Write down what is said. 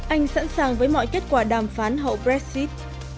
anh sẵn sàng với mọi kết quả đàm phán hậu brexit